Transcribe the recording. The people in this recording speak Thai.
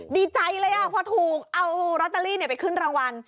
ดีใจเลยพอถูกเอาลอตเตอรี่ไปขึ้นรางวัล